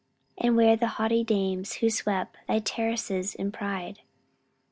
And where the haughty dames who swept Thy terraces in pride?